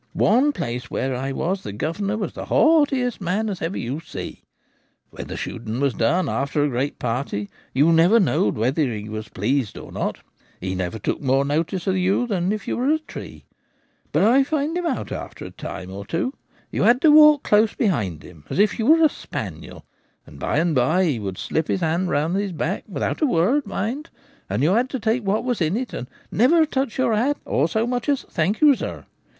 One place where I was, the governor were the haughtiest man as ever you see. When the shooting was done — after a great party, you never knowed whether he were pleased or not — he never took no more notice of you than if you were a tree. But I found him out arter a time or two. You had to walk close behind him, as if you were a spaniel ; and by and by he would slip his hand round behind Tips. 19 ■'■■■■■■■■■■■ .1 —■,..!.■■■■,,.— I ■■■■, I ■.,■■■——,' l» his back — without a word, mind — and you had to take what was in it, and never touch your hat or so much as " Thank you, sir."